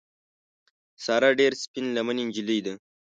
ساره ډېره سپین لمنې نجیلۍ ده.